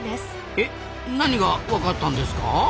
え何が分かったんですか？